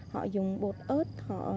họ dùng bột ớt